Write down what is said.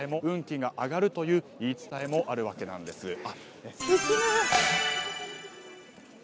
運気が上がるという言い伝えもあるわけなんです。